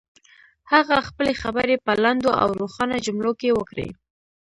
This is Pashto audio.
هغه خپلې خبرې په لنډو او روښانه جملو کې وکړې.